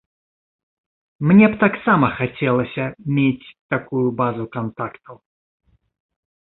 Мне б таксама хацелася мець такую базу кантактаў.